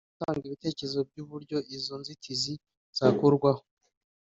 no gutanga ibitekerezo by’uburyo izo nzitizi zakurwaho”